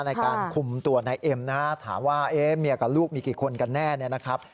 ในการคุมตัวนายเอ็มนะฮะถามว่าเมียกับลูกมีกี่คนกันแน่เนี่ยนะครับ